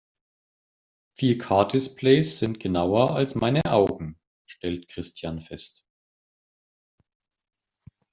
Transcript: "Vier-K-Displays sind genauer als meine Augen", stellt Christian fest.